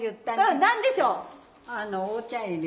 うん何でしょう？